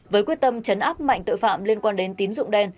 với quyết tâm chấn áp mạnh tội phạm liên quan đến tín dụng đen